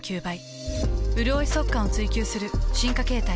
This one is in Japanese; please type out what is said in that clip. うるおい速乾を追求する進化形態。